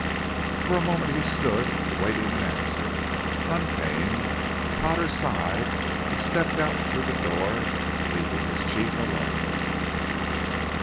For a moment he stood, awaiting an answer. None came. Potter sighed and stepped out through the door, leaving his chief alone.